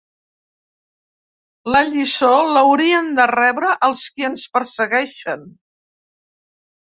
La lliçó l’haurien de rebre els qui ens persegueixen.